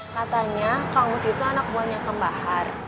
katanya kang mus itu anak buahnya kang bahar